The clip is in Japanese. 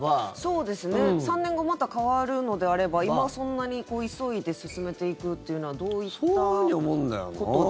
そうですね。３年後、また変わるのであれば今、そんなに急いで進めていくっていうのはどういったことで。